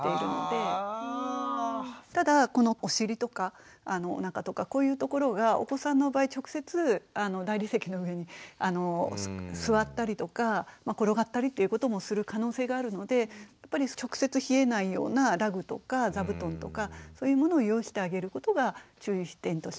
ただこのお尻とかおなかとかこういうところがお子さんの場合直接大理石の上に座ったりとか転がったりっていうこともする可能性があるのでやっぱり直接冷えないようなラグとか座布団とかそういうものを用意してあげることが注意点としては大切だと思います。